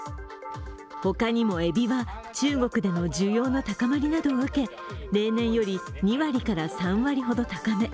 他にもえびは中国での需要の高まりなどを受け例年より２割から３割ほど高値。